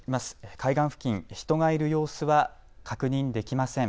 海岸付近、人がいる様子は確認できません。